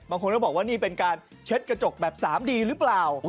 บางคนก็บอกว่านี่เป็นการเช็ดกระจกแบบ๓ดีหรือเปล่า